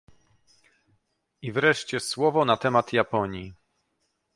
I wreszcie słowo na temat Japonii